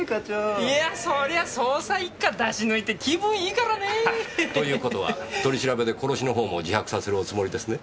いやそりゃ捜査一課出し抜いて気分いいからね。という事は取り調べで殺しのほうも自白させるおつもりですね？